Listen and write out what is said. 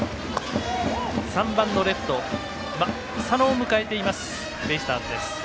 ３番のレフト佐野を迎えていますベイスターズ。